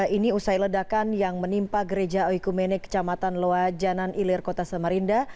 ini usai ledakan yang menimpa gereja oiku mene kecamatan loa janan ilir kota samarinda